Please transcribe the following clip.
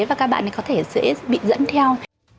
và các bạn ấy có thể sẽ bị dẫn theo